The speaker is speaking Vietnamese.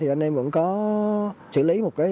anh em vẫn có xử lý